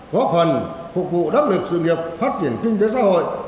góp phần phục vụ đắc lực sự nghiệp phát triển kinh tế xã hội